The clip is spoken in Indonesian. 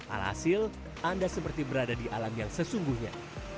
alhasil anda seperti berada di alam yang sesungguhnya